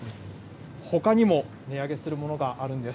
ほかにも、値上げするものがあるんです。